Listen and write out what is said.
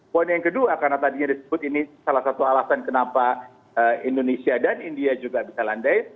poin yang kedua karena tadinya disebut ini salah satu alasan kenapa indonesia dan india juga bisa landai